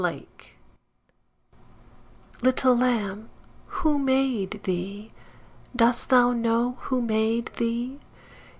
The Lamb Little Lamb, who made thee? Dost thou know who made thee?